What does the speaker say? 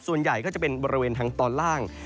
ส่วนใหญ่ก็จะเป็นบริเวณทางตอนล่าง